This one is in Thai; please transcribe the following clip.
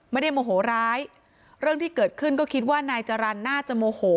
โมโหร้ายเรื่องที่เกิดขึ้นก็คิดว่านายจรรย์น่าจะโมโห